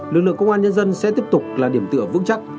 lực lượng công an nhân dân sẽ tiếp tục là điểm tựa vững chắc